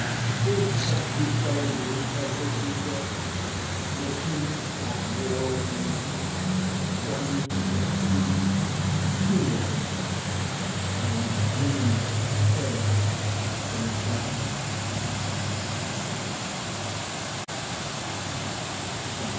Is such the stellar gauge of earthly show, Nation at war with nation, brains that teem, Heroes, and women fairer than the skies?